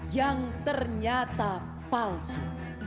yang ternyata palsu